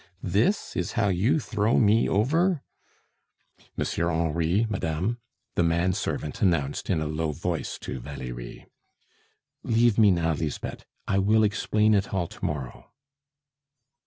This is how you throw me over " "Monsieur Henri, madame," the man servant announced in a low voice to Valerie. "Leave me now, Lisbeth; I will explain it all to morrow."